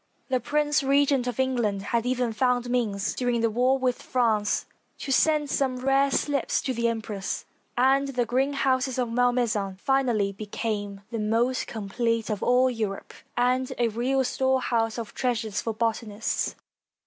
The Prince Regent of England had even found means, during the war with France, to send some rare slips to the em press, and the greenhouses of Malmaison finally became the most complete of all Europe, and a real storehouse of treasures for botanists.